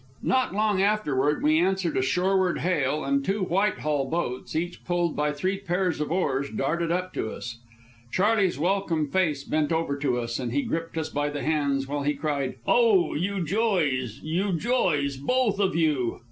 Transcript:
Not long afterward we answered a shoreward hail, and two Whitehall boats, each pulled by three pairs of oars, darted up to us. Charley's welcome face bent over to us, and he gripped us by the hands while he cried, "Oh, you joys! You joys! Both of you!"